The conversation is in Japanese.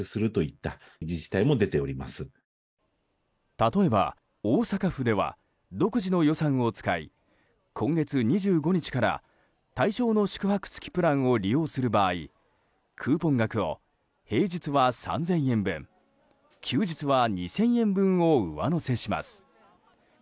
例えば大阪府では独自の予算を使い今月２５日から対象の宿泊付きプランを利用する場合クーポン額を平日は３０００円分休日は２０００円分を上乗せします。